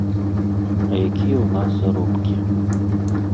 А якія ў нас заробкі?